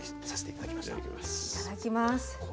いただきます。